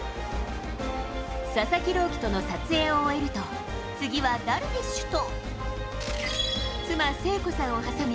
佐々木朗希との撮影を終えると、次はダルビッシュと。